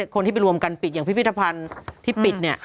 คนที่ไปรวมกันปิดอย่างพิพิธภัณฑ์ที่ปิดเนี่ย